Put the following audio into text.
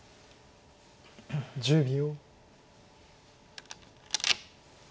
１０秒。